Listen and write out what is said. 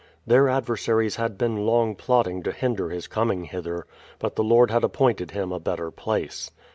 Their adversaries had been long plotting to hinder his coming hither; but tlie Lord had appointed him a better place.